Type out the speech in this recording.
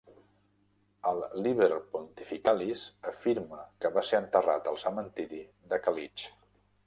El "Liber Pontificalis" afirma que va ser enterrat al cementiri de Calixt.